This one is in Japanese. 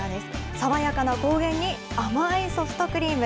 爽やかな高原に甘いソフトクリーム。